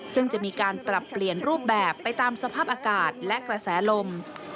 ซึ่งจะมีการปรับเปลี่ยนรูปแบบไปตามสภาพอากาศและกระแสลม